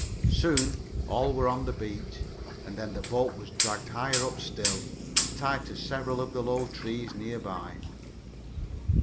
Soon all were on the beach, and then the boat was dragged higher up still, and tied to several of the low trees near by.